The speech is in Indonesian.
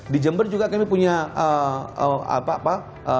di jember juga kami punya apa apa